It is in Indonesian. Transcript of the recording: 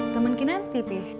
temen kinanti pi